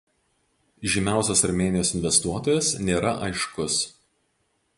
Žymiausias Armėnijos investuotojas nėra aiškus.